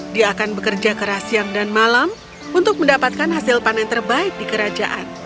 dia akan bekerja keras siang dan malam untuk mendapatkan hasil panen terbaik di kerajaan